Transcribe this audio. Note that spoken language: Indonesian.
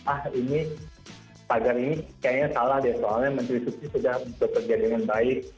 ah ini tagar ini kayaknya salah deh soalnya menteri susi sudah bekerja dengan baik